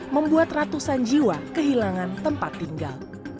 membuat ratusan jiwa kehilangan tempat tinggal